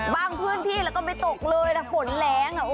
บ้างพื้นที่แล้วก็ไม่ตกเลยแต่ฝนแหลง